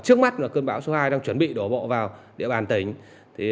trước mắt là cơn bão số hai đang chuẩn bị đổ bộ vào địa bàn tỉnh